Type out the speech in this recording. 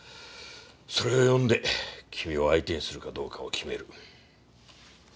それを読んで君を相手にするかどうかを決める。